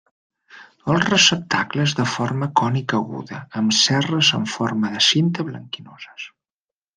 El receptacle és de forma cònica aguda, amb cerres amb forma de cinta blanquinoses.